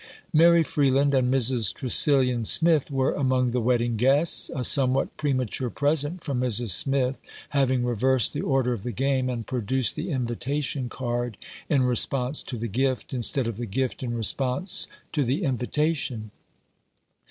Mary Freeland and Mrs. Tresillian Smith were among the wedding guests ; a somewhat premature present from Mrs. Smith having reversed the order of the game, and produced the invitation card in response to the gift, instead of the gift in response to the invitation.